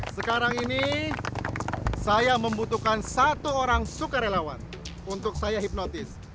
sekarang ini saya membutuhkan satu orang sukarelawan untuk saya hipnotis